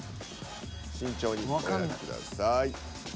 慎重にお選びください。